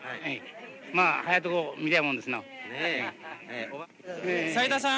まあ早いとこ見たいもんですな斉田さん